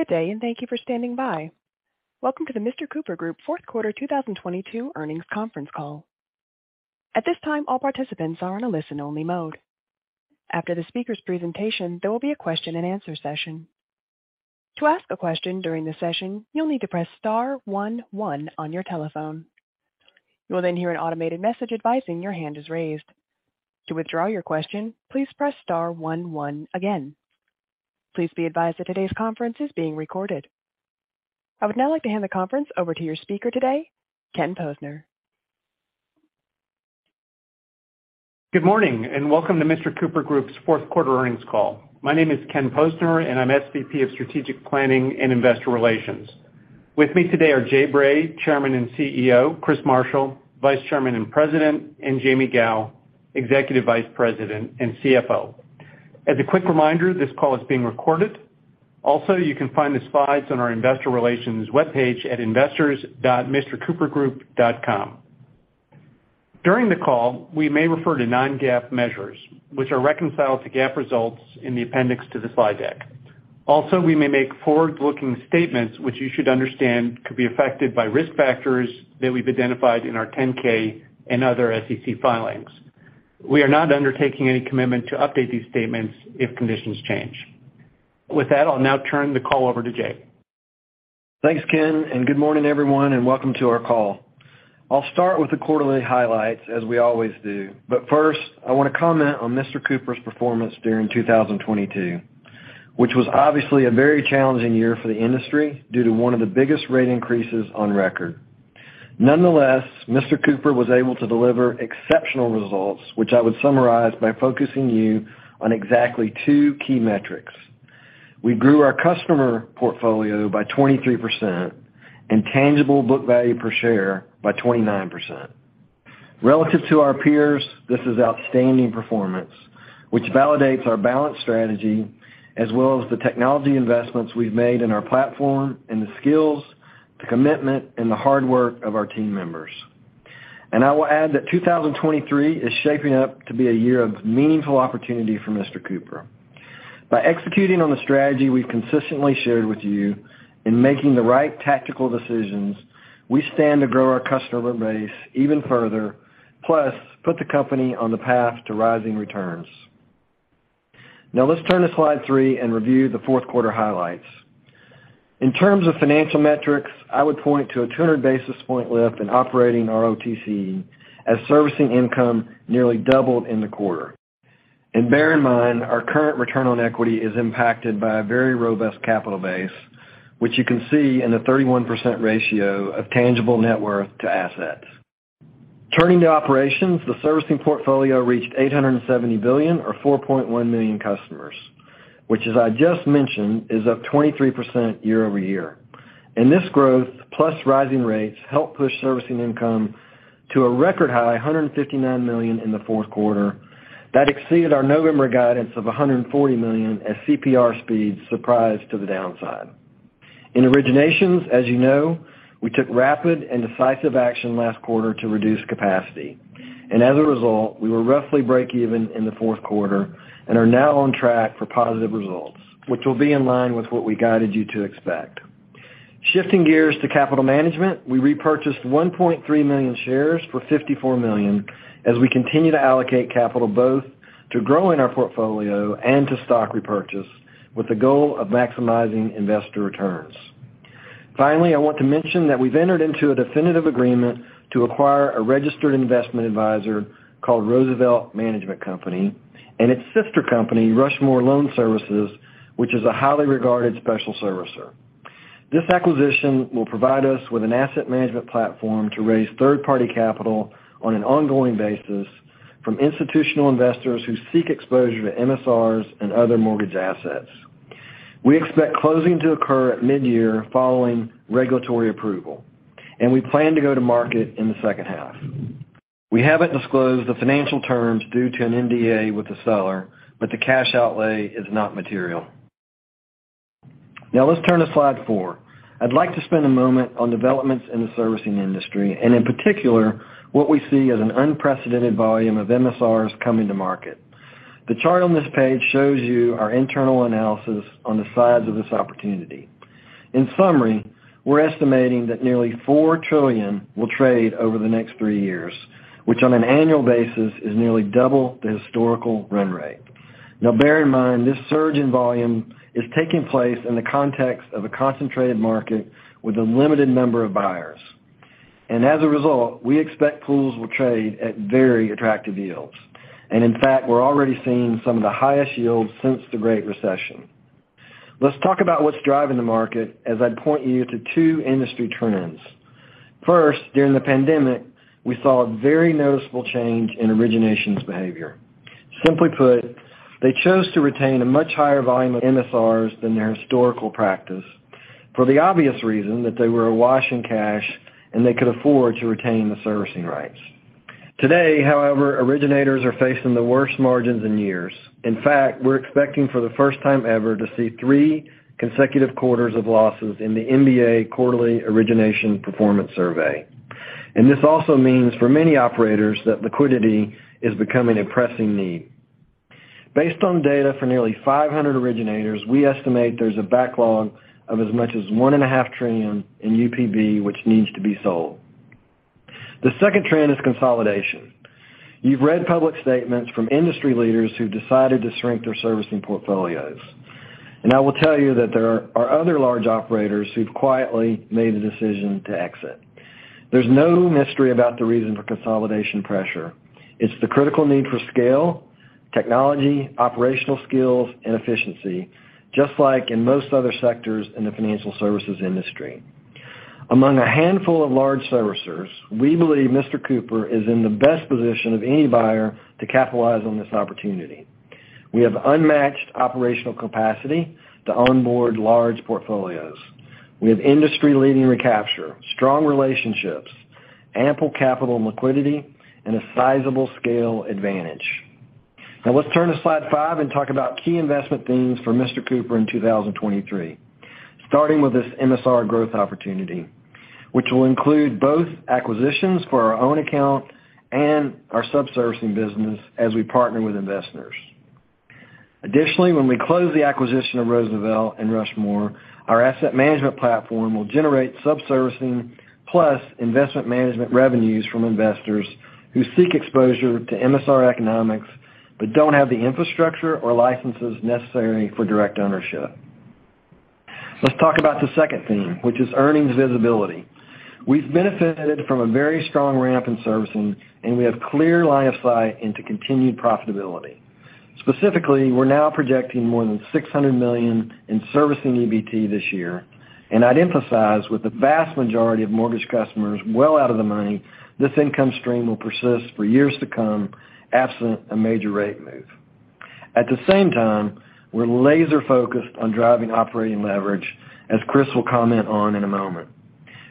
Good day. Thank you for standing by. Welcome to the Mr. Cooper Group fourth quarter 2022 earnings conference call. At this time, all participants are in a listen-only mode. After the speaker's presentation, there will be a question-and-answer session. To ask a question during the session, you'll need to press star one one on your telephone. You will hear an automated message advising your hand is raised. To withdraw your question, please press star one one again. Please be advised that today's conference is being recorded. I would now like to hand the conference over to your speaker today, Ken Posner. Good morning, welcome to Mr. Cooper Group's fourth quarter earnings call. My name is Ken Posner, I'm SVP of Strategic Planning and Investor Relations. With me today are Jay Bray, Chairman and CEO, Chris Marshall, Vice Chairman and President, and Jaime Gow, Executive Vice President and CFO. As a quick reminder, this call is being recorded. You can find the slides on our investor relations webpage at investors.mrcoopergroup.com. During the call, we may refer to non-GAAP measures, which are reconciled to GAAP results in the appendix to the slide deck. We may make forward-looking statements, which you should understand could be affected by risk factors that we've identified in our 10-K and other SEC filings. We are not undertaking any commitment to update these statements if conditions change. With that, I'll now turn the call over to Jay. Thanks, Ken. Good morning, everyone, welcome to our call. I'll start with the quarterly highlights, as we always do. First, I want to comment on Mr. Cooper's performance during 2022, which was obviously a very challenging year for the industry due to one of the biggest rate increases on record. Nonetheless, Mr. Cooper was able to deliver exceptional results, which I would summarize by focusing you on exactly two key metrics. We grew our customer portfolio by 23% and tangible book value per share by 29%. Relative to our peers, this is outstanding performance, which validates our balanced strategy as well as the technology investments we've made in our platform and the skills, the commitment, and the hard work of our team members. I will add that 2023 is shaping up to be a year of meaningful opportunity for Mr. Cooper. By executing on the strategy we've consistently shared with you in making the right tactical decisions, we stand to grow our customer base even further, plus put the company on the path to rising returns. Let's turn to slide three and review the fourth quarter highlights. In terms of financial metrics, I would point to a 200 basis point lift in operating ROTCE as servicing income nearly doubled in the quarter. Bear in mind, our current return on equity is impacted by a very robust capital base, which you can see in the 31% ratio of tangible net worth to assets. Turning to operations, the servicing portfolio reached $870 billion or 4.1 million customers, which as I just mentioned, is up 23% year-over-year. This growth, plus rising rates, help push servicing income to a record high $159 million in the fourth quarter. That exceeded our November guidance of $140 million as CPR speeds surprised to the downside. In originations, as you know, we took rapid and decisive action last quarter to reduce capacity. As a result, we were roughly break even in the fourth quarter and are now on track for positive results, which will be in line with what we guided you to expect. Shifting gears to capital management, we repurchased 1.3 million shares for $54 million as we continue to allocate capital both to growing our portfolio and to stock repurchase with the goal of maximizing investor returns. Finally, I want to mention that we've entered into a definitive agreement to acquire a registered investment advisor called Roosevelt Management Company and its sister company, Rushmore Loan Services, which is a highly regarded special servicer. This acquisition will provide us with an asset management platform to raise third-party capital on an ongoing basis from institutional investors who seek exposure to MSRs and other mortgage assets. We expect closing to occur at mid-year following regulatory approval. We plan to go to market in the second half. We haven't disclosed the financial terms due to an NDA with the seller, but the cash outlay is not material. Now let's turn to slide four. I'd like to spend a moment on developments in the servicing industry, and in particular, what we see as an unprecedented volume of MSRs coming to market. The chart on this page shows you our internal analysis on the size of this opportunity. In summary, we're estimating that nearly $4 trillion will trade over the next three years, which on an annual basis is nearly double the historical run rate. Now bear in mind, this surge in volume is taking place in the context of a concentrated market with a limited number of buyers. As a result, we expect pools will trade at very attractive yields. In fact, we're already seeing some of the highest yields since the Great Recession. Let's talk about what's driving the market as I'd point you to two industry trends. First, during the pandemic, we saw a very noticeable change in originations behavior. Simply put, they chose to retain a much higher volume of MSRs than their historical practice for the obvious reason that they were awash in cash, and they could afford to retain the servicing rights. Today, however, originators are facing the worst margins in years. In fact, we're expecting for the first time ever to see three consecutive quarters of losses in the MBA quarterly origination performance survey. This also means for many operators that liquidity is becoming a pressing need. Based on data for nearly 500 originators, we estimate there's a backlog of as much as $1.5 trillion in UPB which needs to be sold. The second trend is consolidation. You've read public statements from industry leaders who've decided to shrink their servicing portfolios, I will tell you that there are other large operators who've quietly made a decision to exit. There's no mystery about the reason for consolidation pressure. It's the critical need for scale, technology, operational skills, and efficiency, just like in most other sectors in the financial services industry. Among a handful of large servicers, we believe Mr. Cooper is in the best position of any buyer to capitalize on this opportunity. We have unmatched operational capacity to onboard large portfolios. We have industry-leading recapture, strong relationships, ample capital and liquidity, and a sizable scale advantage. Let's turn to slide five and talk about key investment themes for Mr. Cooper in 2023, starting with this MSR growth opportunity, which will include both acquisitions for our own account and our sub-servicing business as we partner with investors. When we close the acquisition of Roosevelt and Rushmore, our asset management platform will generate sub-servicing plus investment management revenues from investors who seek exposure to MSR economics but don't have the infrastructure or licenses necessary for direct ownership. Let's talk about the second theme, which is earnings visibility. We've benefited from a very strong ramp in servicing, and we have clear line of sight into continued profitability. Specifically, we're now projecting more than $600 million in servicing EBT this year. I'd emphasize, with the vast majority of mortgage customers well out of the money, this income stream will persist for years to come, absent a major rate move. At the same time, we're laser-focused on driving operating leverage, as Chris will comment on in a moment.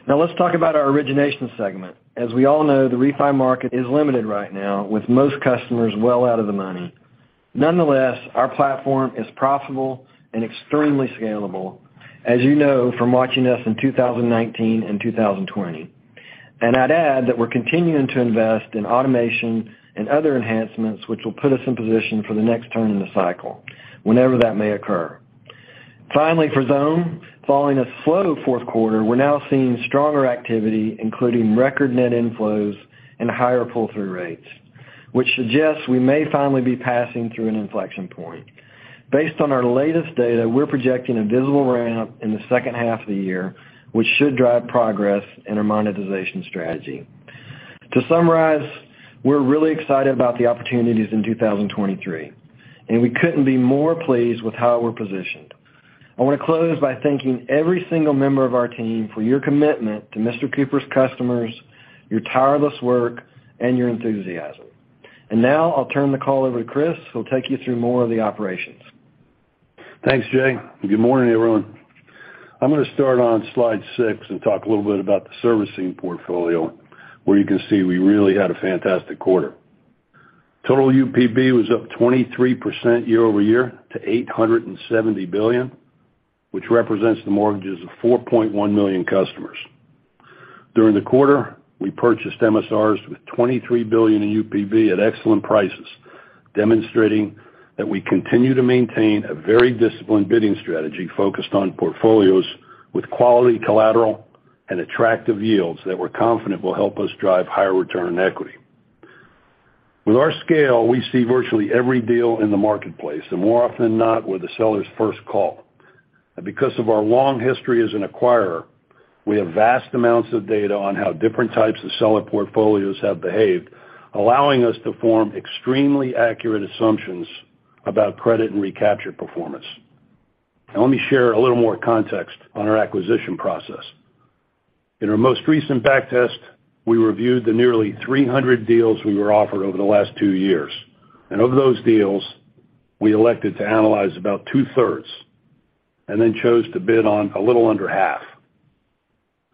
Let's talk about our origination segment. As we all know, the refi market is limited right now, with most customers well out of the money. Nonetheless, our platform is profitable and extremely scalable, as you know from watching us in 2019 and 2020. I'd add that we're continuing to invest in automation and other enhancements which will put us in position for the next turn in the cycle, whenever that may occur. Finally, for Xome, following a slow fourth quarter, we're now seeing stronger activity, including record net inflows and higher pull-through rates, which suggests we may finally be passing through an inflection point. Based on our latest data, we're projecting a visible ramp in the second half of the year, which should drive progress in our monetization strategy. To summarize, we're really excited about the opportunities in 2023. We couldn't be more pleased with how we're positioned. I want to close by thanking every single member of our team for your commitment to Mr. Cooper's customers, your tireless work, and your enthusiasm. Now I'll turn the call over to Chris, who will take you through more of the operations. Thanks, Jay. Good morning, everyone. I'm going to start on slide six and talk a little bit about the servicing portfolio, where you can see we really had a fantastic quarter. Total UPB was up 23% year-over-year to $870 billion, which represents the mortgages of 4.1 million customers. During the quarter, we purchased MSRs with $23 billion in UPB at excellent prices, demonstrating that we continue to maintain a very disciplined bidding strategy focused on portfolios with quality collateral and attractive yields that we're confident will help us drive higher return on equity. With our scale, we see virtually every deal in the marketplace, and more often than not, we're the seller's first call. Because of our long history as an acquirer, we have vast amounts of data on how different types of seller portfolios have behaved, allowing us to form extremely accurate assumptions about credit and recapture performance. Now, let me share a little more context on our acquisition process. In our most recent back test, we reviewed the nearly 300 deals we were offered over the last two years. Of those deals, we elected to analyze about two-thirds and then chose to bid on a little under half.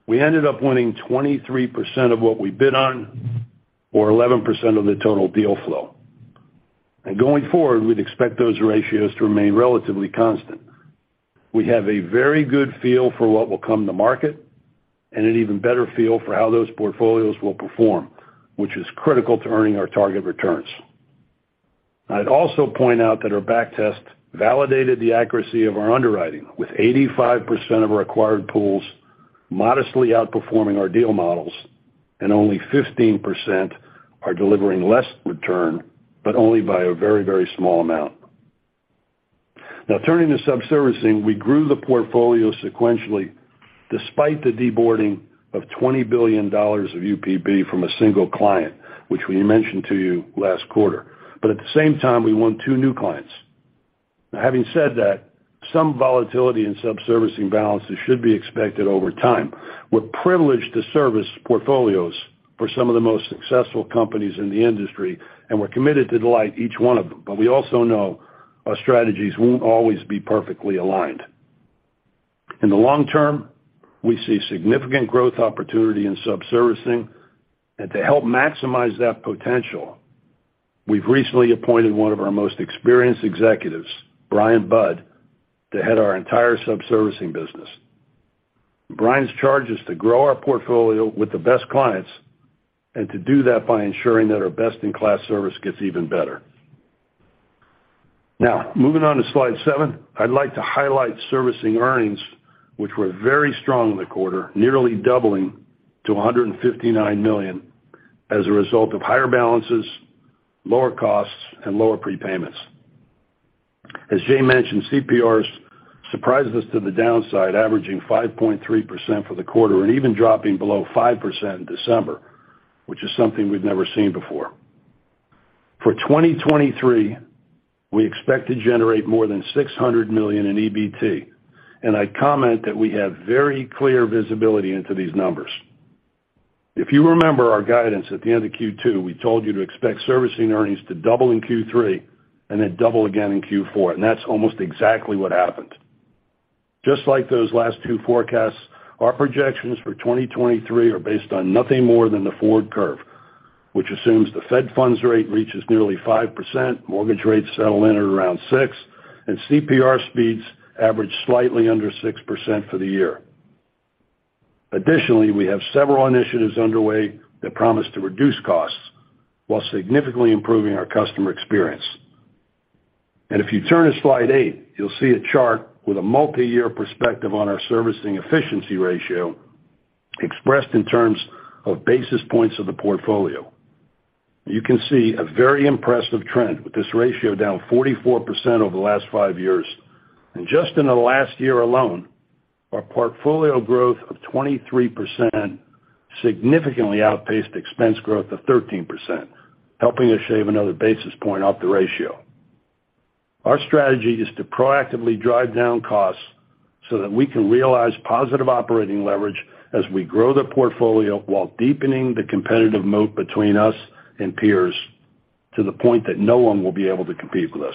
We ended up winning 23% of what we bid on, or 11% of the total deal flow. Going forward, we'd expect those ratios to remain relatively constant. We have a very good feel for what will come to market and an even better feel for how those portfolios will perform, which is critical to earning our target returns. I'd also point out that our back test validated the accuracy of our underwriting, with 85% of our acquired pools modestly outperforming our deal models, and only 15% are delivering less return, but only by a very, very small amount. Turning to sub-servicing, we grew the portfolio sequentially despite the deboarding of $20 billion of UPB from a single client, which we mentioned to you last quarter. At the same time, we won two new clients. Having said that, some volatility in sub-servicing balances should be expected over time. We're privileged to service portfolios for some of the most successful companies in the industry, and we're committed to delight each one of them, we also know our strategies won't always be perfectly aligned. In the long term, we see significant growth opportunity in sub-servicing, and to help maximize that potential, we've recently appointed one of our most experienced executives, Bryan Budd, to head our entire sub-servicing business. Bryan's charge is to grow our portfolio with the best clients and to do that by ensuring that our best-in-class service gets even better. Now, moving on to slide seven, I'd like to highlight servicing earnings, which were very strong in the quarter, nearly doubling to $159 million as a result of higher balances, lower costs, and lower prepayments. As Jay mentioned, CPRs surprised us to the downside, averaging 5.3% for the quarter, and even dropping below 5% in December, which is something we'd never seen before. For 2023, we expect to generate more than $600 million in EBT. I comment that we have very clear visibility into these numbers. If you remember our guidance at the end of Q2, we told you to expect servicing earnings to double in Q3 and then double again in Q4. That's almost exactly what happened. Just like those last two forecasts, our projections for 2023 are based on nothing more than the forward curve, which assumes the Fed funds rate reaches nearly 5%, mortgage rates settle in at around 6%, and CPR speeds average slightly under 6% for the year. Additionally, we have several initiatives underway that promise to reduce costs while significantly improving our customer experience. If you turn to slide eight, you'll see a chart with a multiyear perspective on our servicing efficiency ratio expressed in terms of basis points of the portfolio. You can see a very impressive trend with this ratio down 44% over the last five years. Just in the last year alone, our portfolio growth of 23% significantly outpaced expense growth of 13%, helping us shave another basis point off the ratio. Our strategy is to proactively drive down costs so that we can realize positive operating leverage as we grow the portfolio while deepening the competitive moat between us and peers to the point that no one will be able to compete with us.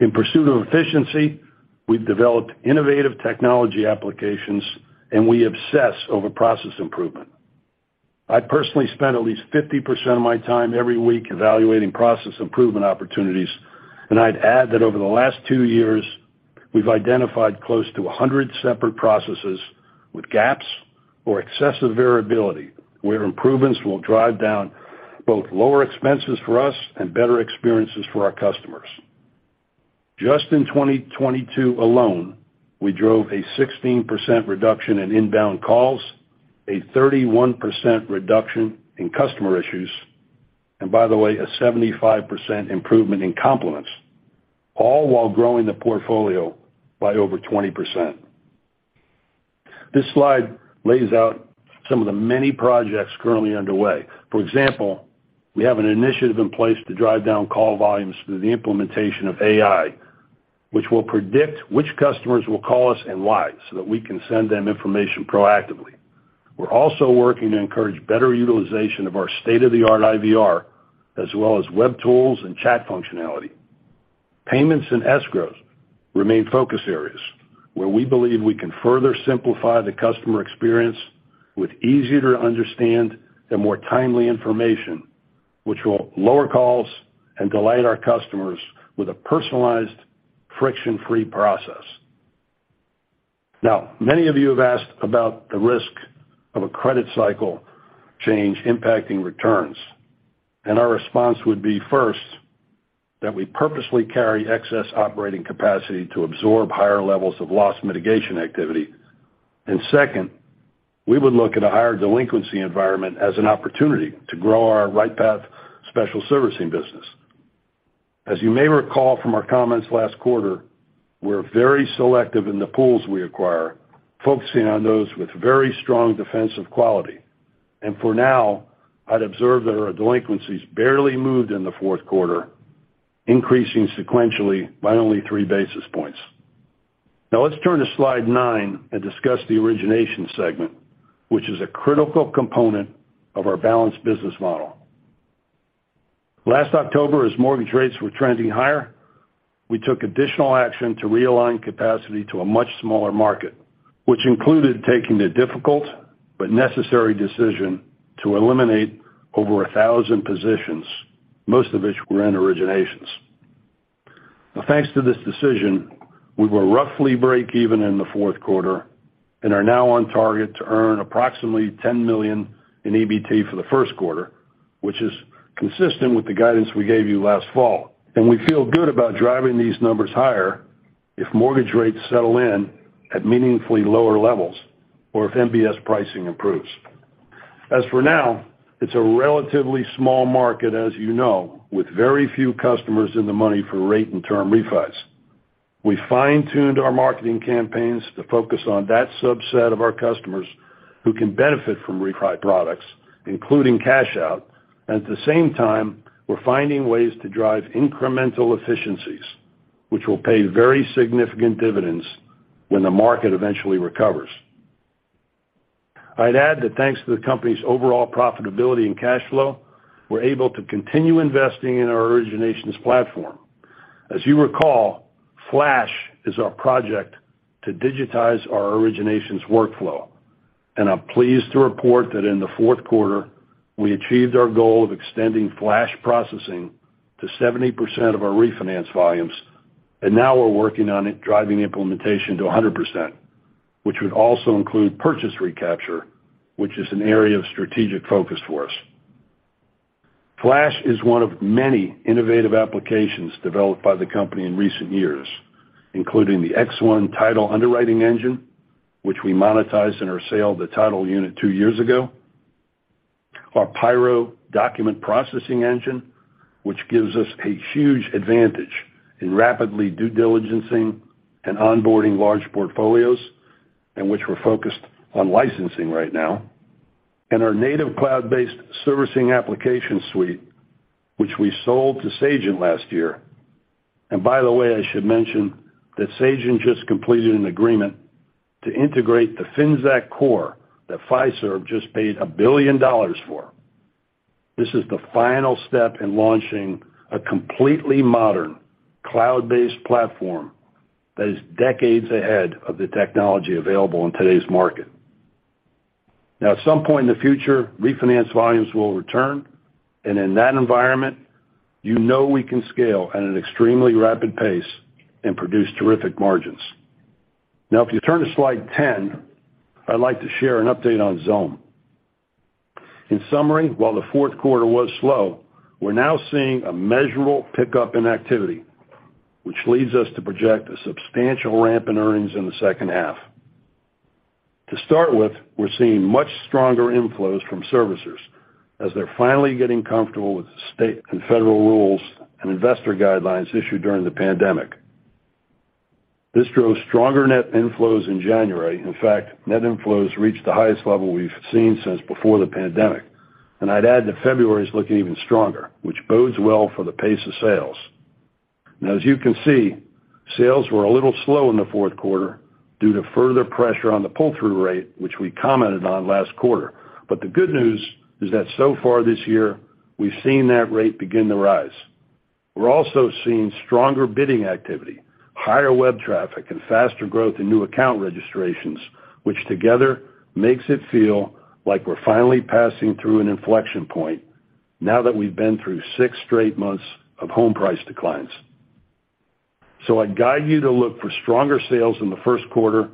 In pursuit of efficiency, we've developed innovative technology applications, and we obsess over process improvement. I personally spend at least 50% of my time every week evaluating process improvement opportunities. I'd add that over the last two years, we've identified close to 100 separate processes with gaps or excessive variability, where improvements will drive down both lower expenses for us and better experiences for our customers. Just in 2022 alone, we drove a 16% reduction in inbound calls, a 31% reduction in customer issues. By the way, a 75% improvement in compliments, all while growing the portfolio by over 20%. This slide lays out some of the many projects currently underway. For example, we have an initiative in place to drive down call volumes through the implementation of AI, which will predict which customers will call us and why, so that we can send them information proactively. We're also working to encourage better utilization of our state-of-the-art IVR, as well as web tools and chat functionality. Payments and escrows remain focus areas where we believe we can further simplify the customer experience with easier to understand and more timely information, which will lower calls and delight our customers with a personalized friction-free process. Many of you have asked about the risk of a credit cycle change impacting returns, and our response would be, first, that we purposely carry excess operating capacity to absorb higher levels of loss mitigation activity. Second, we would look at a higher delinquency environment as an opportunity to grow our RightPath special servicing business. As you may recall from our comments last quarter, we're very selective in the pools we acquire, focusing on those with very strong defensive quality. For now, I'd observe that our delinquencies barely moved in the fourth quarter, increasing sequentially by only three basis points. Let's turn to slide nine and discuss the origination segment, which is a critical component of our balanced business model. Last October, as mortgage rates were trending higher, we took additional action to realign capacity to a much smaller market, which included taking the difficult but necessary decision to eliminate over 1,000 positions, most of which were in originations. Thanks to this decision, we will roughly break even in the fourth quarter and are now on target to earn approximately $10 million in EBT for the first quarter, which is consistent with the guidance we gave you last fall. We feel good about driving these numbers higher if mortgage rates settle in at meaningfully lower levels or if MBS pricing improves. As for now, it's a relatively small market, as you know, with very few customers in the money for rate and term refis. We fine-tuned our marketing campaigns to focus on that subset of our customers who can benefit from refi products, including cash out. At the same time, we're finding ways to drive incremental efficiencies, which will pay very significant dividends when the market eventually recovers. I'd add that thanks to the company's overall profitability and cash flow, we're able to continue investing in our originations platform. As you recall, FLASH is our project to digitize our originations workflow. I'm pleased to report that in the fourth quarter, we achieved our goal of extending FLASH processing to 70% of our refinance volumes, and now we're working on it driving implementation to 100%, which would also include purchase recapture, which is an area of strategic focus for us. FLASH is one of many innovative applications developed by the company in recent years, including the X1 title underwriting engine, which we monetized in our sale, the title unit two years ago. Our Pyro document processing engine, which gives us a huge advantage in rapidly due diligencing and onboarding large portfolios, and which we're focused on licensing right now. Our native cloud-based servicing application suite, which we sold to Sagent last year. By the way, I should mention that Sagent just completed an agreement to integrate the Finxact core that Fiserv just paid $1 billion for. This is the final step in launching a completely modern cloud-based platform that is decades ahead of the technology available in today's market. Now, at some point in the future, refinance volumes will return, and in that environment, you know we can scale at an extremely rapid pace and produce terrific margins. Now, if you turn to slide 10, I'd like to share an update on Xome. In summary, while the fourth quarter was slow, we're now seeing a measurable pickup in activity, which leads us to project a substantial ramp in earnings in the second half. To start with, we're seeing much stronger inflows from servicers as they're finally getting comfortable with state and federal rules and investor guidelines issued during the pandemic. This drove stronger net inflows in January. In fact, net inflows reached the highest level we've seen since before the pandemic. I'd add that February is looking even stronger, which bodes well for the pace of sales. Now, as you can see, sales were a little slow in the fourth quarter due to further pressure on the pull-through rate, which we commented on last quarter. The good news is that so far this year, we've seen that rate begin to rise. We're also seeing stronger bidding activity, higher web traffic, and faster growth in new account registrations, which together makes it feel like we're finally passing through an inflection point now that we've been through six straight months of home price declines. I'd guide you to look for stronger sales in the first quarter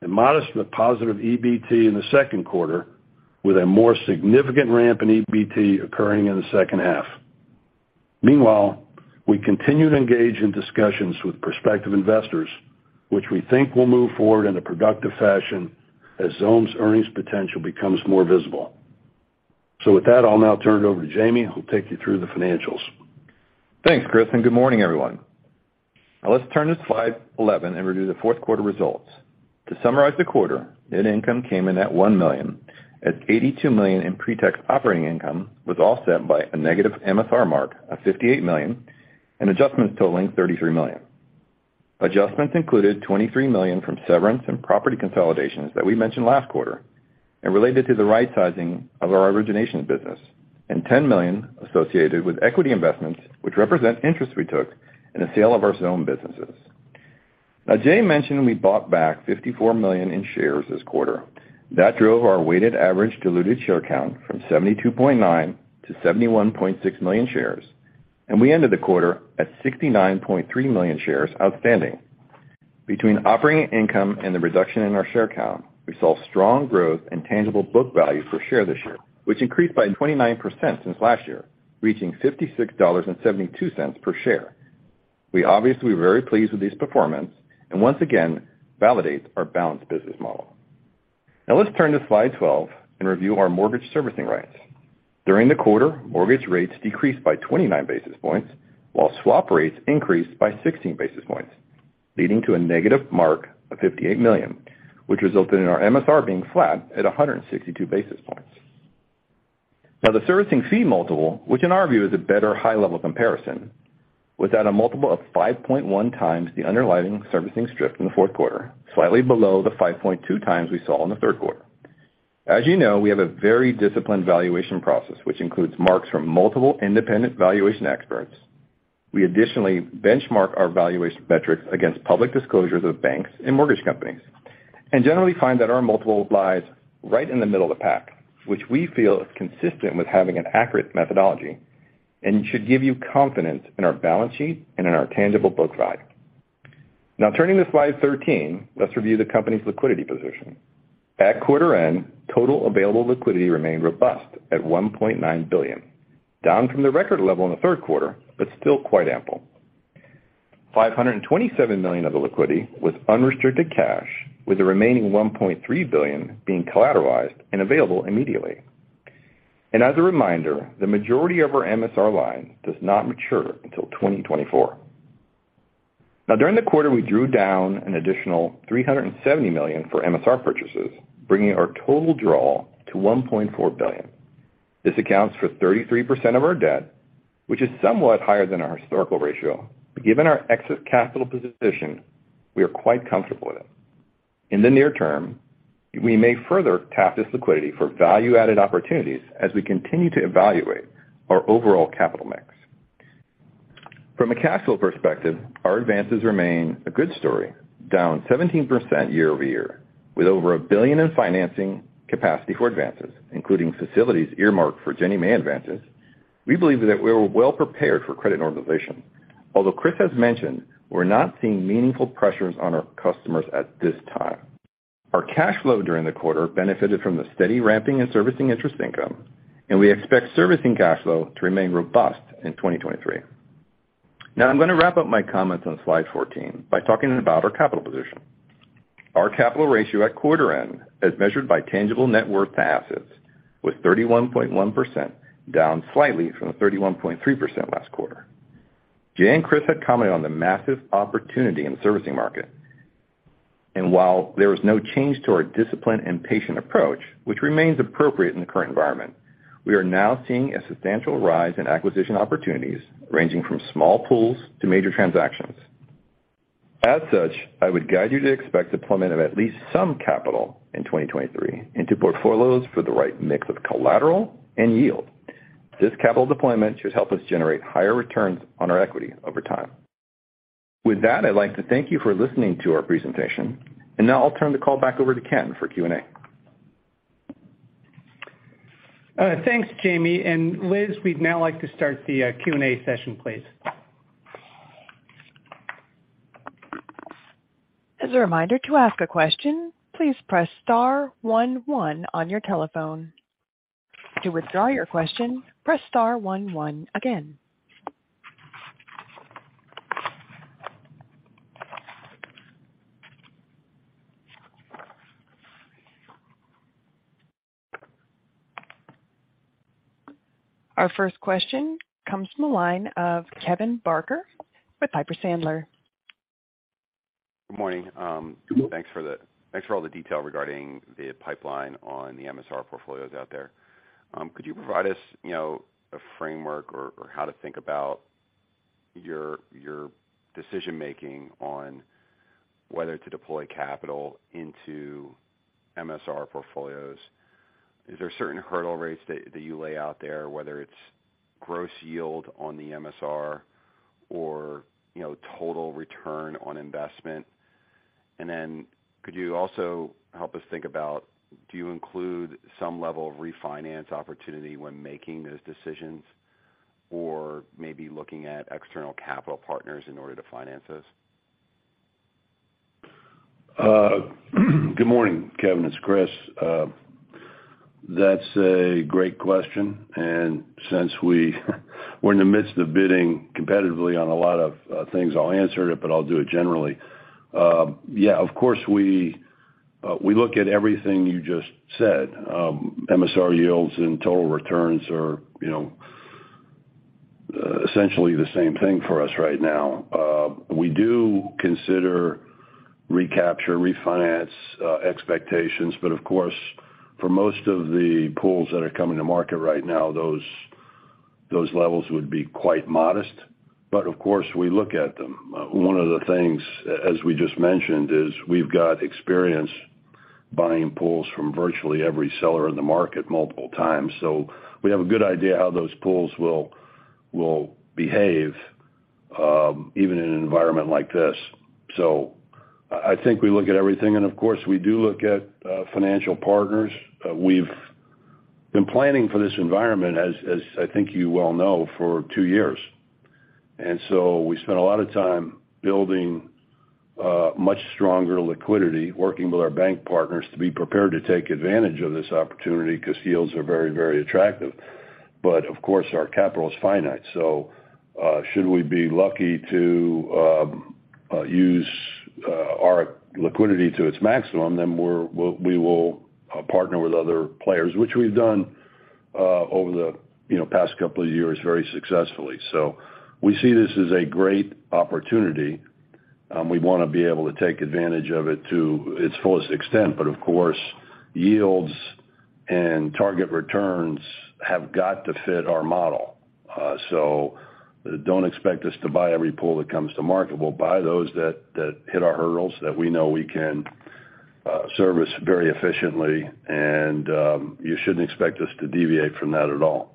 and modest but positive EBT in the second quarter, with a more significant ramp in EBT occurring in the second half. Meanwhile, we continue to engage in discussions with prospective investors, which we think will move forward in a productive fashion as Xome's earnings potential becomes more visible. With that, I'll now turn it over to Jaime, who'll take you through the financials. Thanks, Chris. Good morning, everyone. Let's turn to slide 11 and review the fourth quarter results. To summarize the quarter, net income came in at $1 million, as $82 million in pre-tax operating income was offset by a negative MSR mark of $58 million and adjustments totaling $33 million. Adjustments included $23 million from severance and property consolidations that we mentioned last quarter and related to the right sizing of our origination business, and $10 million associated with equity investments, which represent interest we took in the sale of our Xome businesses. Jay mentioned we bought back $54 million in shares this quarter. That drove our weighted average diluted share count from 72.9 to 71.6 million shares, and we ended the quarter at 69.3 million shares outstanding. Between operating income and the reduction in our share count, we saw strong growth in tangible book value per share this year, which increased by 29% since last year, reaching $56.72 per share. We obviously are very pleased with this performance and once again validates our balanced business model. Let's turn to slide 12 and review our mortgage servicing rights. During the quarter, mortgage rates decreased by 29 basis points, while swap rates increased by 16 basis points, leading to a negative mark of $58 million, which resulted in our MSR being flat at 162 basis points. The servicing fee multiple, which in our view is a better high-level comparison, was at a multiple of 5.1x the underlying servicing strip in the fourth quarter, slightly below the 5.2x we saw in the third quarter. As you know, we have a very disciplined valuation process, which includes marks from multiple independent valuation experts. We additionally benchmark our valuation metrics against public disclosures of banks and mortgage companies, and generally find that our multiple lies right in the middle of the pack, which we feel is consistent with having an accurate methodology and should give you confidence in our balance sheet and in our tangible book value. Now, turning to slide 13, let's review the company's liquidity position. At quarter end, total available liquidity remained robust at $1.9 billion, down from the record level in the 3rd quarter, but still quite ample. $527 million of the liquidity was unrestricted cash, with the remaining $1.3 billion being collateralized and available immediately. As a reminder, the majority of our MSR line does not mature until 2024. During the quarter, we drew down an additional $370 million for MSR purchases, bringing our total draw to $1.4 billion. This accounts for 33% of our debt, which is somewhat higher than our historical ratio. Given our exit capital position, we are quite comfortable with it. In the near term, we may further tap this liquidity for value-added opportunities as we continue to evaluate our overall capital mix. From a cash flow perspective, our advances remain a good story, down 17% year-over-year. With over $1 billion in financing capacity for advances, including facilities earmarked for Ginnie Mae advances, we believe that we're well prepared for credit normalization. Chris has mentioned, we're not seeing meaningful pressures on our customers at this time. Our cash flow during the quarter benefited from the steady ramping and servicing interest income. We expect servicing cash flow to remain robust in 2023. I'm going to wrap up my comments on slide 14 by talking about our capital position. Our capital ratio at quarter end, as measured by tangible net worth to assets, was 31.1%, down slightly from the 31.3% last quarter. Jay and Chris had commented on the massive opportunity in the servicing market. While there is no change to our disciplined and patient approach, which remains appropriate in the current environment, we are now seeing a substantial rise in acquisition opportunities ranging from small pools to major transactions. As such, I would guide you to expect deployment of at least some capital in 2023 into portfolios for the right mix of collateral and yield. This capital deployment should help us generate higher returns on our equity over time. With that, I'd like to thank you for listening to our presentation. Now I'll turn the call back over to Ken for Q&A. Thanks, Jaime. Liz, we'd now like to start the Q&A session, please. As a reminder to ask a question, please press star one one on your telephone. To withdraw your question, press star one one again. Our first question comes from the line of Kevin Barker with Piper Sandler. Good morning. Thanks for all the detail regarding the pipeline on the MSR portfolios out there. Could you provide us, you know, a framework or how to think about your decision-making on whether to deploy capital into MSR portfolios? Is there certain hurdle rates that you lay out there, whether it's gross yield on the MSR or, you know, total return on investment? Could you also help us think about, do you include some level of refinance opportunity when making those decisions or maybe looking at external capital partners in order to finance those? Good morning, Kevin. It's Chris. That's a great question. Since we're in the midst of bidding competitively on a lot of things, I'll answer it, but I'll do it generally. Yeah, of course we look at everything you just said. MSR yields and total returns are, you know, essentially the same thing for us right now. We do consider recapture, refinance expectations. Of course, for most of the pools that are coming to market right now, those levels would be quite modest. Of course, we look at them. One of the things, as we just mentioned, is we've got experience buying pools from virtually every seller in the market multiple times. We have a good idea how those pools will behave, even in an environment like this. I think we look at everything and of course, we do look at financial partners. We've been planning for this environment as I think you well know, for two years. We spent a lot of time building much stronger liquidity, working with our bank partners to be prepared to take advantage of this opportunity because yields are very, very attractive. Of course, our capital is finite. Should we be lucky to use our liquidity to its maximum, then we will partner with other players, which we've done over the, you know, past couple of years very successfully. We see this as a great opportunity. We wanna be able to take advantage of it to its fullest extent. Of course, yields and target returns have got to fit our model. Don't expect us to buy every pool that comes to market. We'll buy those that hit our hurdles that we know we can service very efficiently, and you shouldn't expect us to deviate from that at all.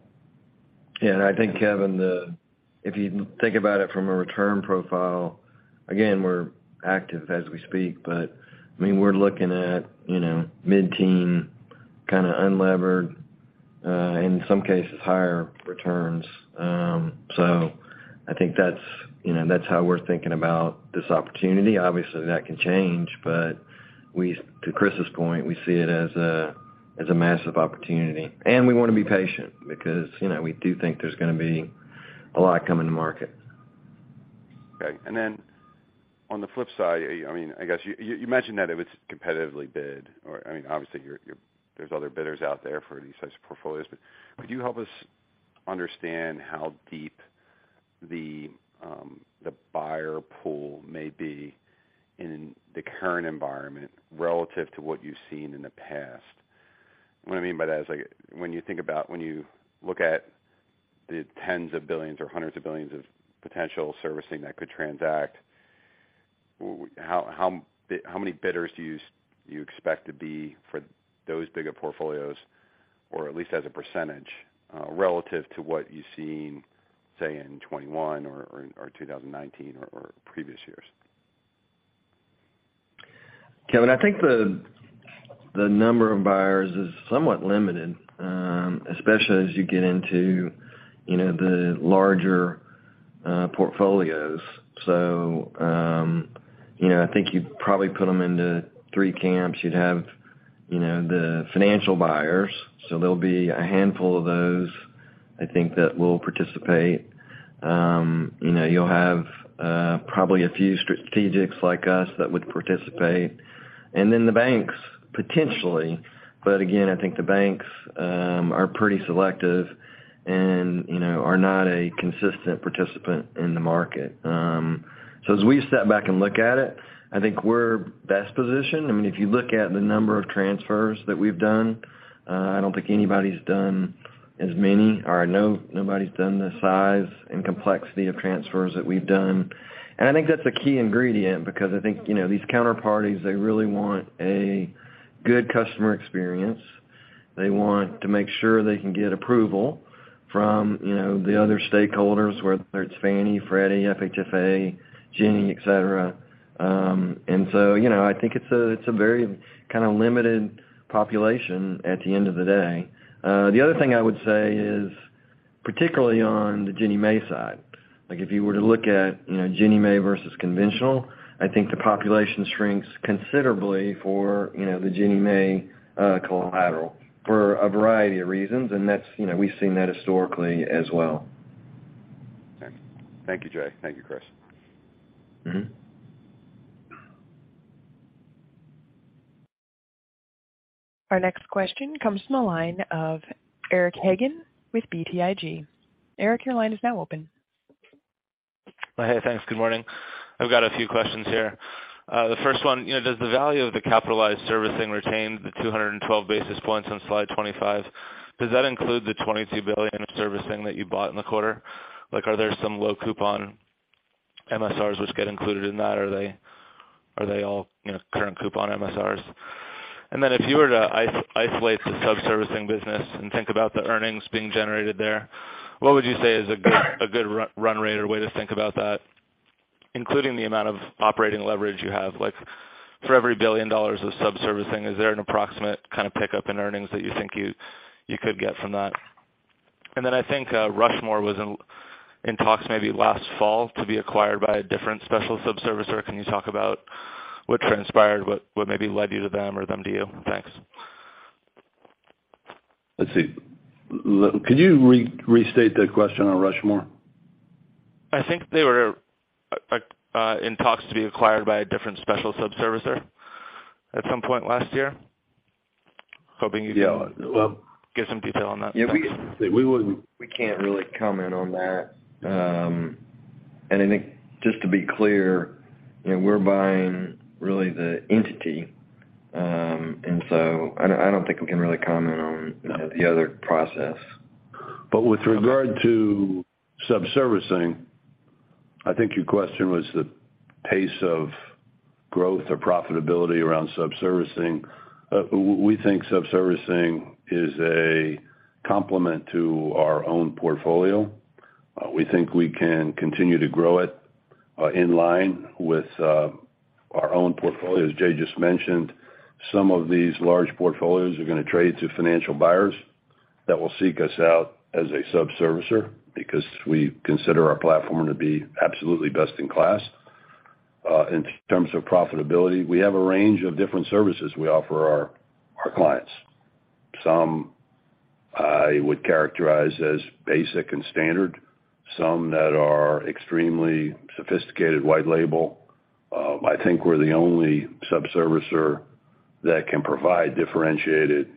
Yeah. I think, Kevin, if you think about it from a return profile, again, we're active as we speak. I mean, we're looking at, you know, mid-teen, kind of unlevered, in some cases, higher returns. I think that's, you know, that's how we're thinking about this opportunity. Obviously, that can change, but to Chris's point, we see it as a, as a massive opportunity. We wanna be patient because, you know, we do think there's gonna be a lot coming to market. Okay. Then on the flip side, I mean, I guess you mentioned that it was competitively bid or, I mean, obviously, there's other bidders out there for these types of portfolios. Could you help us understand how deep the buyer pool may be in the current environment relative to what you've seen in the past? What I mean by that is, like, when you look at the tens of billions or hundreds of billions of potential servicing that could transact. How many bidders do you expect to be for those bigger portfolios? Or at least as a percentage, relative to what you've seen, say, in 2021 or 2019 or previous years. Kevin, I think the number of buyers is somewhat limited, especially as you get into, you know, the larger portfolios. You know, I think you'd probably put them into three camps. You'd have, you know, the financial buyers, so there'll be a handful of those, I think, that will participate. You know, you'll have, probably a few strategics like us that would participate and then the banks, potentially. Again, I think the banks are pretty selective and, you know, are not a consistent participant in the market. As we step back and look at it, I think we're best positioned. I mean, if you look at the number of transfers that we've done, I don't think anybody's done as many or nobody's done the size and complexity of transfers that we've done. I think that's a key ingredient because I think, you know, these counterparties, they really want a good customer experience. They want to make sure they can get approval from, you know, the other stakeholders, whether it's Fannie, Freddie, FHFA, Ginnie, et cetera. I think it's a, it's a very kind of limited population at the end of the day. The other thing I would say is, particularly on the Ginnie Mae side, like if you were to look at, you know, Ginnie Mae versus conventional, I think the population shrinks considerably for, you know, the Ginnie Mae, collateral for a variety of reasons. That's, you know, we've seen that historically as well. Thank you, Jay. Thank you, Chris. Mm-hmm. Our next question comes from the line of Eric Hagen with BTIG. Eric, your line is now open. Hey, thanks. Good morning. I've got a few questions here. The first one, you know, does the value of the capitalized servicing retain the 212 basis points on slide 25? Does that include the $22 billion of servicing that you bought in the quarter? Like, are there some low coupon MSRs which get included in that, or are they all, you know, current coupon MSRs? If you were to isolate the sub-servicing business and think about the earnings being generated there, what would you say is a good run rate or way to think about that, including the amount of operating leverage you have, like for every $1 billion of sub-servicing, is there an approximate kind of pickup in earnings that you think you could get from that? Then I think, Rushmore was in talks maybe last fall to be acquired by a different special sub-servicer. Can you talk about what transpired, what maybe led you to them or them to you? Thanks. Let's see. Could you restate the question on Rushmore? I think they were in talks to be acquired by a different special sub-servicer at some point last year. Hoping you can. Yeah. get some detail on that. We can't really comment on that. I think just to be clear, you know, we're buying really the entity. I don't think we can really comment on the other process. With regard to subservicing, I think your question was the pace of growth or profitability around subservicing. We think subservicing is a complement to our own portfolio. We think we can continue to grow it in line with our own portfolio. As Jay just mentioned, some of these large portfolios are gonna trade to financial buyers that will seek us out as a subservicer because we consider our platform to be absolutely best in class. In terms of profitability, we have a range of different services we offer our clients. Some I would characterize as basic and standard, some that are extremely sophisticated white label. I think we're the only sub-servicer that can provide differentiated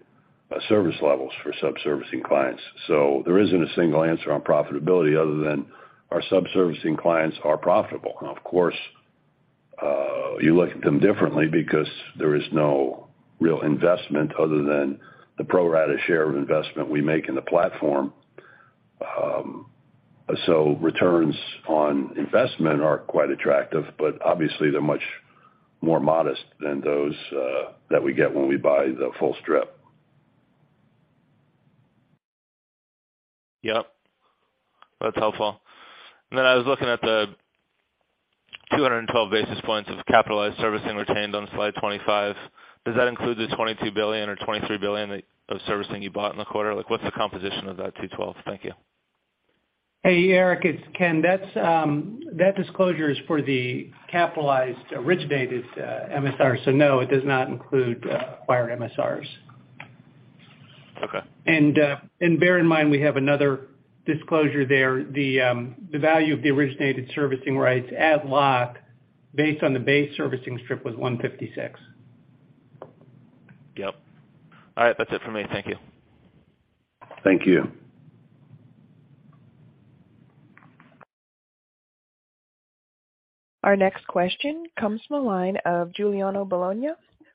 service levels for sub-servicing clients. There isn't a single answer on profitability other than our sub-servicing clients are profitable. Of course, you look at them differently because there is no real investment other than the pro rata share of investment we make in the platform. Returns on investment are quite attractive, but obviously, they're much more modest than those that we get when we buy the full strip. Yep. That's helpful. I was looking at the 212 basis points of capitalized servicing retained on slide 25. Does that include the $22 billion or $23 billion that, of servicing you bought in the quarter? Like, what's the composition of that 212? Thank you. Hey, Eric, it's Ken. That's that disclosure is for the capitalized originated MSR. No, it does not include acquired MSRs. Okay. Bear in mind, we have another disclosure there. The value of the originated servicing rights at lock based on the base servicing strip was $156. Yep. All right. That's it for me. Thank you. Thank you. Our next question comes from the line of Giuliano Bologna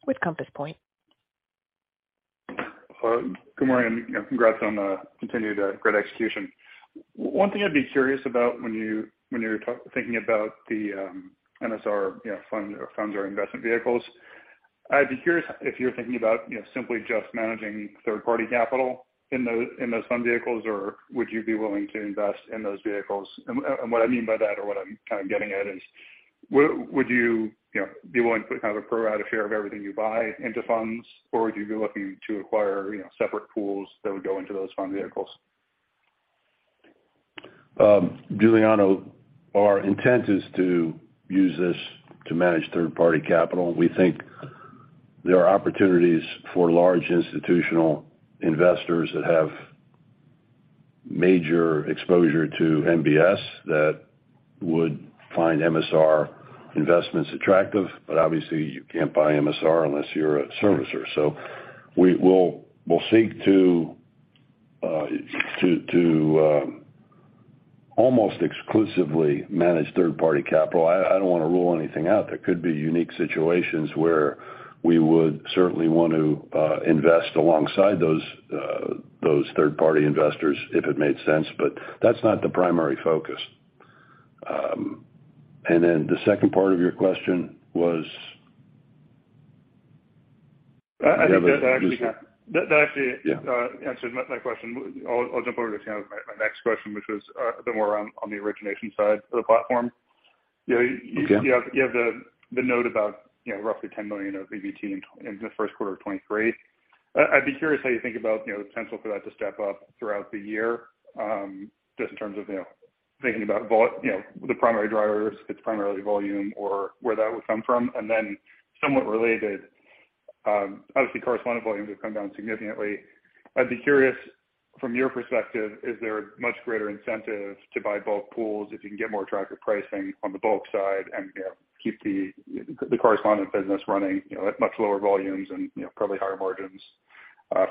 with Compass Point. Well, good morning, you know, congrats on the continued great execution. One thing I'd be curious about when you're thinking about the MSR, you know, fund or funds or investment vehicles, I'd be curious if you're thinking about, you know, simply just managing third-party capital in those fund vehicles, or would you be willing to invest in those vehicles? What I mean by that, or what I'm kind of getting at is, would you know, be willing to put kind of a pro rata share of everything you buy into funds, or would you be looking to acquire, you know, separate pools that would go into those fund vehicles? Giuliano, our intent is to use this to manage third-party capital. We think there are opportunities for large institutional investors that have major exposure to MBS that would find MSR investments attractive. Obviously you can't buy MSR unless you're a servicer. We'll seek to, almost exclusively manage third-party capital. I don't wanna rule anything out. There could be unique situations where we would certainly want to invest alongside those third-party investors if it made sense, but that's not the primary focus. The second part of your question was? I think that actually. You have a That. Yeah... answered my question. I'll jump over to kind of my next question, which was a bit more around on the origination side of the platform. You know. Okay... you have the note about, you know, roughly $10 million of EBT in the first quarter of 2023. I'd be curious how you think about, you know, the potential for that to step up throughout the year, just in terms of, you know, thinking about, you know, the primary drivers, if it's primarily volume or where that would come from. Somewhat related, obviously correspondent volumes have come down significantly. I'd be curious from your perspective, is there a much greater incentive to buy bulk pools if you can get more attractive pricing on the bulk side and, you know, keep the correspondent business running, you know, at much lower volumes and, you know, probably higher margins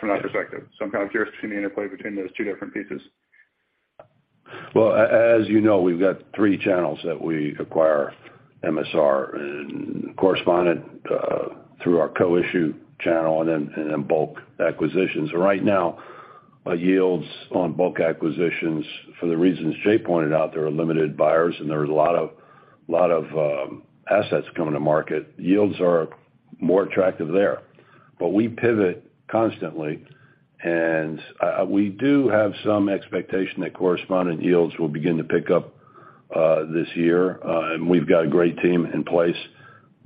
from that perspective? I'm kind of curious between the interplay between those two different pieces. Well, as you know, we've got three channels that we acquire MSR and correspondent, through our co-issue channel and then bulk acquisitions. Right now, yields on bulk acquisitions for the reasons Jay pointed out, there are limited buyers and there are a lot of assets coming to market. Yields are more attractive there. We pivot constantly, and we do have some expectation that correspondent yields will begin to pick up this year. We've got a great team in place,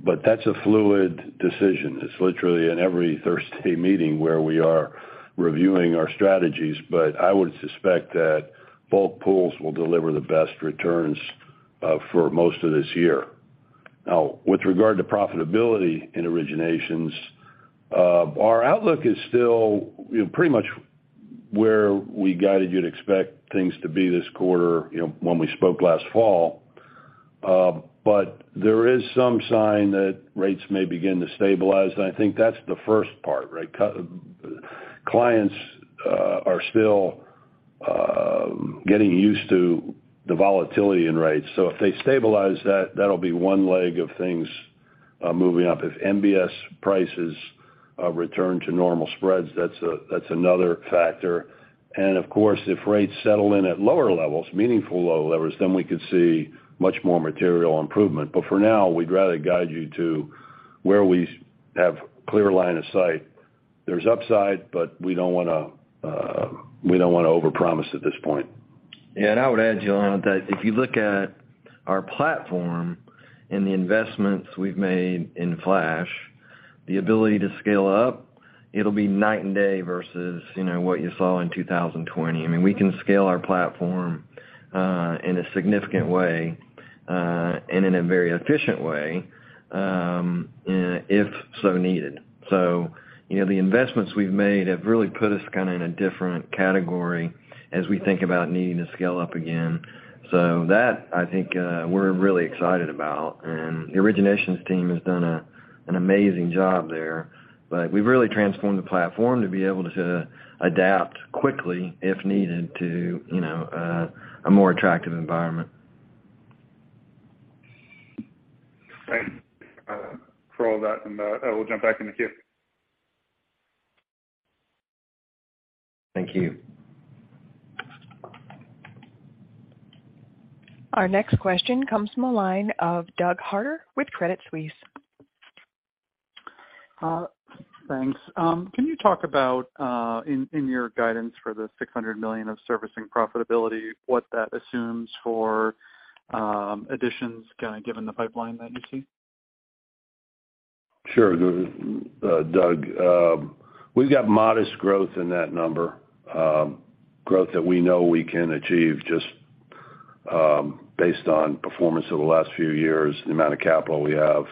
but that's a fluid decision. It's literally in every Thursday meeting where we are reviewing our strategies. I would suspect that bulk pools will deliver the best returns for most of this year. With regard to profitability in originations, our outlook is still, you know, pretty much where we guided you to expect things to be this quarter, you know, when we spoke last fall. There is some sign that rates may begin to stabilize, and I think that's the first part, right? Clients are still getting used to the volatility in rates. If they stabilize that'll be one leg of things moving up. If MBS prices return to normal spreads, that's another factor. Of course, if rates settle in at lower levels, meaningful lower levels, then we could see much more material improvement. For now, we'd rather guide you to where we have clear line of sight. There's upside, but we don't wanna overpromise at this point. Yeah. I would add, Giuliano, that if you look at our platform and the investments we've made in FLASH, the ability to scale up, it'll be night and day versus, you know, what you saw in 2020. I mean, we can scale our platform in a significant way, and in a very efficient way, if so needed. You know, the investments we've made have really put us kinda in a different category as we think about needing to scale up again. That I think, we're really excited about. The originations team has done an amazing job there. We've really transformed the platform to be able to adapt quickly, if needed, to, you know, a more attractive environment. Thanks for all that. I will jump back in the queue. Thank you. Our next question comes from a line of Doug Harter with Credit Suisse. Thanks. Can you talk about in your guidance for the $600 million of servicing profitability, what that assumes for additions kind of given the pipeline that you see? Sure. Doug, we've got modest growth in that number. Growth that we know we can achieve just based on performance over the last few years, the amount of capital we have.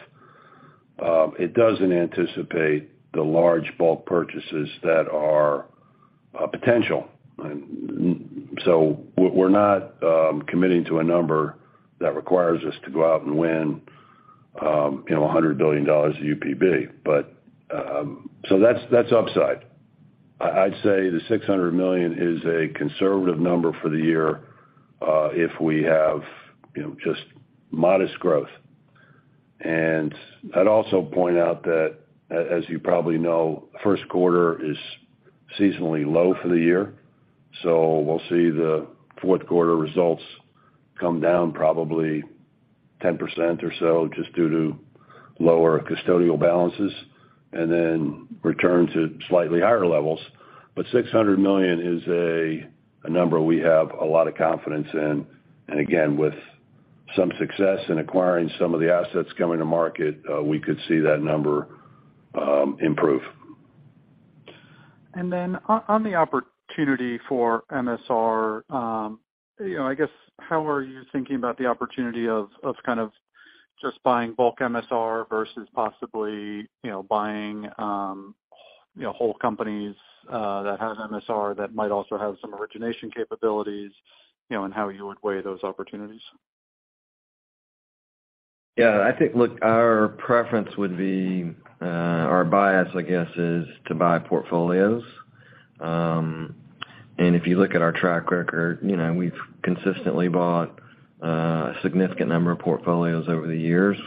It doesn't anticipate the large bulk purchases that are potential. we're not committing to a number that requires us to go out and win, you know, $100 billion of UPB. So that's upside. I'd say the $600 million is a conservative number for the year if we have, you know, just modest growth. I'd also point out that as you probably know, first quarter is seasonally low for the year, so we'll see the fourth quarter results come down probably 10% or so just due to lower custodial balances and then return to slightly higher levels. $600 million is a number we have a lot of confidence in. Again, with some success in acquiring some of the assets coming to market, we could see that number improve. On the opportunity for MSR, you know, I guess how are you thinking about the opportunity of kind of just buying bulk MSR versus possibly, you know, buying, you know, whole companies that have MSR that might also have some origination capabilities, you know, and how you would weigh those opportunities? Yeah, I think, look, our preference would be, our bias, I guess, is to buy portfolios. If you look at our track record, you know, we've consistently bought a significant number of portfolios over the years.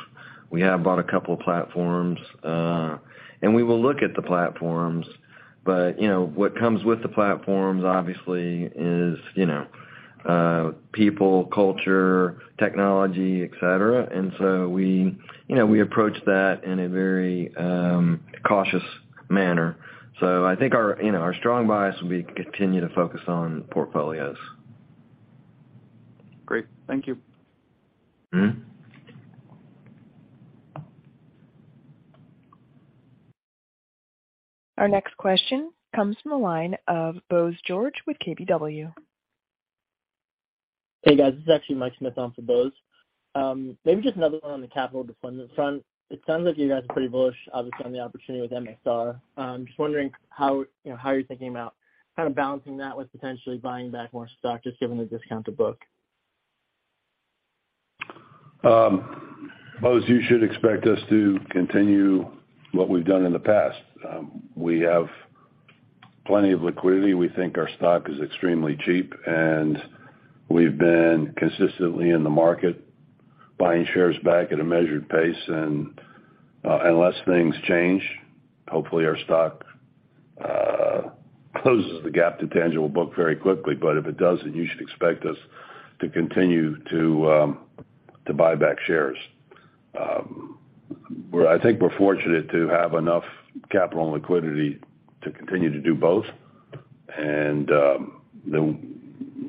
We have bought a couple of platforms, and we will look at the platforms. You know, what comes with the platforms obviously is, you know, people, culture, technology, et cetera. We, you know, we approach that in a very cautious manner. I think our, you know, our strong bias will be to continue to focus on portfolios. Great. Thank you. Mm-hmm. Our next question comes from the line of Bose George with KBW. Hey, guys. This is actually Mike Smith on for Bose. Maybe just another one on the capital deployment front. It sounds like you guys are pretty bullish, obviously, on the opportunity with MSR. Just wondering how, you know, how you're thinking about kind of balancing that with potentially buying back more stock, just given the discount to book. Bose, you should expect us to continue what we've done in the past. We have plenty of liquidity. We think our stock is extremely cheap, and we've been consistently in the market buying shares back at a measured pace. Unless things change, hopefully our stock closes the gap to tangible book very quickly. If it doesn't, you should expect us to continue to buy back shares. I think we're fortunate to have enough capital and liquidity to continue to do both, and,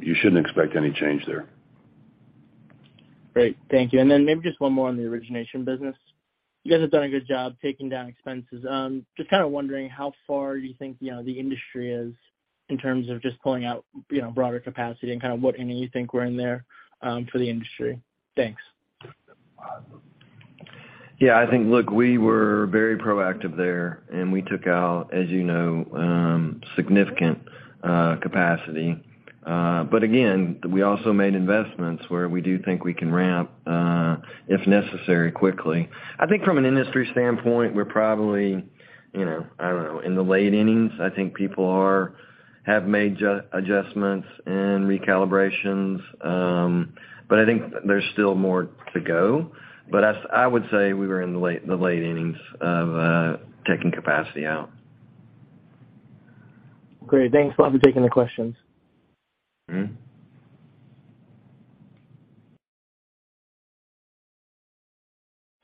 you know, you shouldn't expect any change there. Great. Thank you. Maybe just one more on the origination business. You guys have done a good job taking down expenses. Just kind of wondering how far you think, you know, the industry is in terms of just pulling out, you know, broader capacity and kind of what innings you think we're in there for the industry. Thanks. Yeah, I think, look, we were very proactive there. We took out, as you know, significant capacity. Again, we also made investments where we do think we can ramp, if necessary, quickly. I think from an industry standpoint, we're probably, you know, I don't know, in the late innings. I think people have made adjustments and recalibrations. I think there's still more to go. I would say we were in the late innings of taking capacity out. Great. Thanks for taking the questions. Mm-hmm.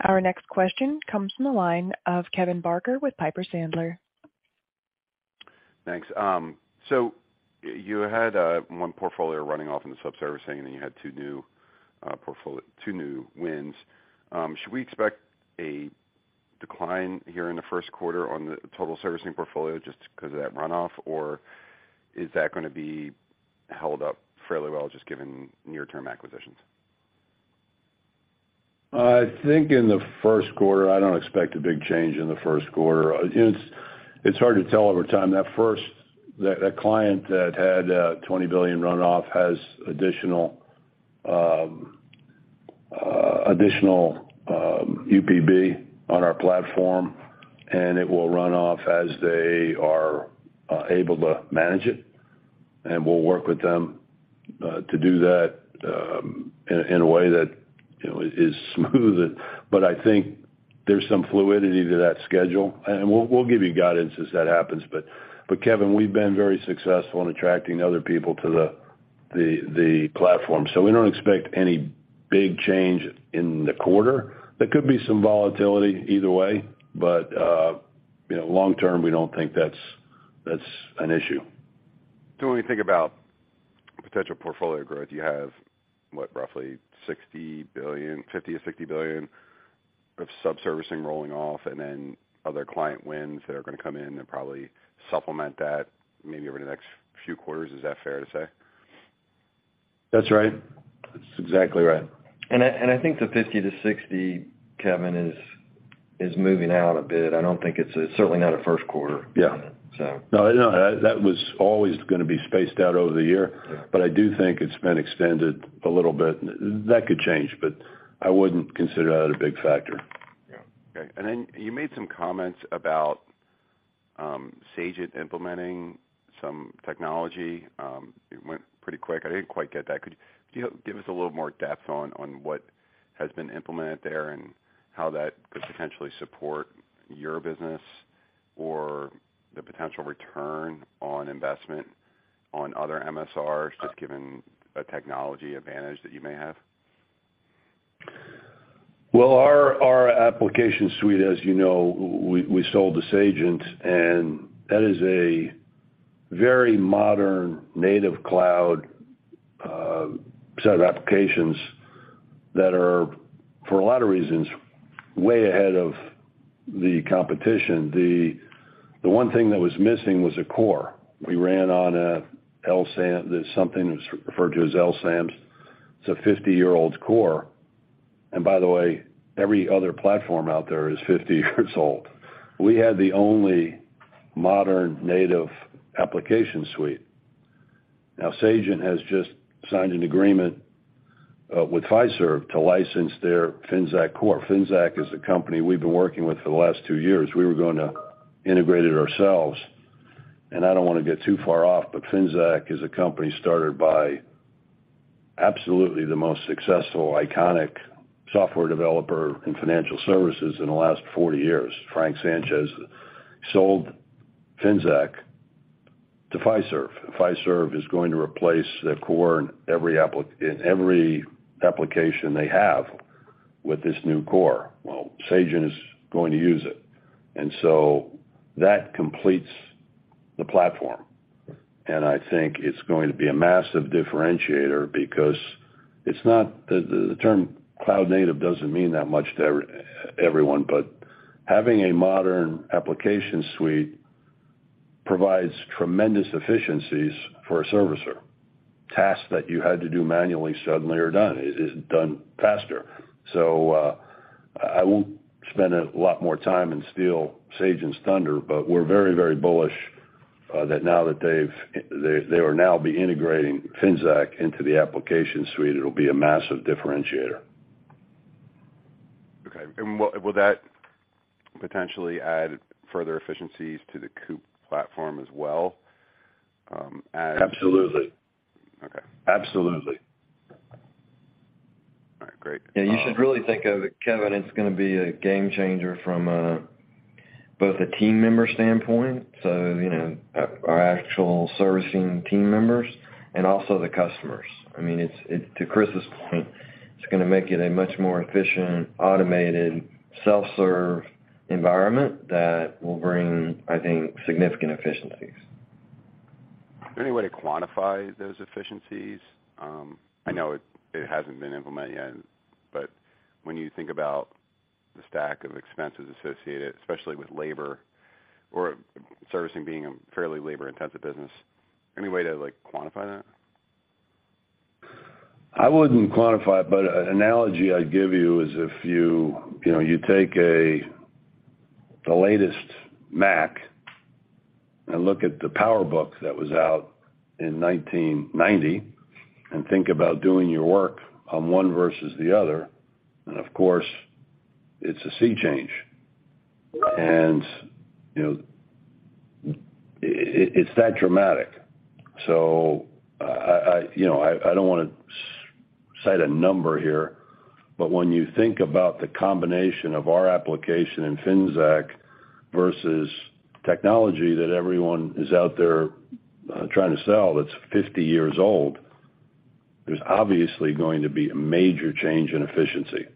Our next question comes from the line of Kevin Barker with Piper Sandler. Thanks. You had one portfolio running off in the sub-servicing, and you had two new wins. Should we expect a decline here in the first quarter on the total servicing portfolio just because of that runoff, or is that gonna be held up fairly well, just given near-term acquisitions? I think in the first quarter, I don't expect a big change in the first quarter. It's hard to tell over time. That client that had $20 billion runoff has additional UPB on our platform, and it will run off as they are able to manage it, and we'll work with them to do that in a way that, you know, is smooth. I think there's some fluidity to that schedule, and we'll give you guidance as that happens. Kevin, we've been very successful in attracting other people to the platform. We don't expect any big change in the quarter. There could be some volatility either way, but, you know, long term, we don't think that's an issue. When you think about potential portfolio growth, you have, what, roughly $60 billion, $50 billion-$60 billion of sub-servicing rolling off and then other client wins that are gonna come in and probably supplement that maybe over the next few quarters. Is that fair to say? That's right. That's exactly right. I think the 50-60, Kevin, is moving out a bit. I don't think it's certainly not a 1st quarter. Yeah. So. No, no, that was always gonna be spaced out over the year. Yeah. I do think it's been extended a little bit. That could change, but I wouldn't consider that a big factor. Yeah. Okay. Then you made some comments about Sagent implementing some technology, it went pretty quick. I didn't quite get that. Could you give us a little more depth on what has been implemented there and how that could potentially support your business or the potential return on investment on other MSRs, just given a technology advantage that you may have? Well, our application suite, as you know, we sold to Sagent. That is a very modern native cloud set of applications that are, for a lot of reasons, way ahead of the competition. The one thing that was missing was a core. We ran on a LSAMS, something that was referred to as LSAMS. It's a 50-year-old core. By the way, every other platform out there is 50 years old. We had the only modern native application suite. Now, Sagent has just signed an agreement with Fiserv to license their Finxact core. Finxact is a company we've been working with for the last two years. We were gonna integrate it ourselves, and I don't wanna get too far off, but Finxact is a company started by absolutely the most successful iconic software developer in financial services in the last 40 years. Frank Sanchez sold Finxact to Fiserv. Fiserv is going to replace the core in every application they have with this new core. Sagent is going to use it. That completes the platform. I think it's going to be a massive differentiator because it's not the term cloud native doesn't mean that much to everyone, but having a modern application suite provides tremendous efficiencies for a servicer. Tasks that you had to do manually suddenly are done. It is done faster. I won't spend a lot more time and steal Sagent's thunder, but we're very, very bullish that now that they will now be integrating Finxact into the application suite, it'll be a massive differentiator. Okay. Will that potentially add further efficiencies to the Cooper platform as well? Absolutely. Okay. Absolutely. All right, great. Yeah, you should really think of it, Kevin, it's gonna be a game changer from both a team member standpoint, so you know, our actual servicing team members and also the customers. I mean, it's to Chris's point, it's gonna make it a much more efficient, automated, self-serve environment that will bring, I think, significant efficiencies. Is there any way to quantify those efficiencies? I know it hasn't been implemented yet, but when you think about the stack of expenses associated, especially with labor or servicing being a fairly labor intensive business, any way to, like, quantify that? I wouldn't quantify it, but an analogy I'd give you is if you know, you take a, the latest Mac and look at the PowerBook that was out in 1990, and think about doing your work on one versus the other, and of course, it's a sea change. You know, it's that dramatic. I, you know, I don't wanna cite a number here, but when you think about the combination of our application in Finxact versus technology that everyone is out there, trying to sell that's 50 years old, there's obviously going to be a major change in efficiency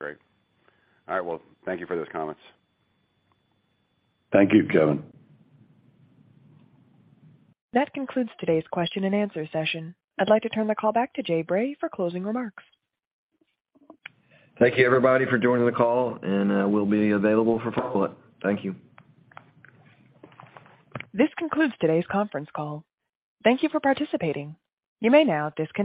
Great. All right. Well, thank you for those comments. Thank you, Kevin. That concludes today's question and answer session. I'd like to turn the call back to Jay Bray for closing remarks. Thank you everybody for joining the call, and we'll be available for follow-up. Thank you. This concludes today's conference call. Thank you for participating. You may now disconnect.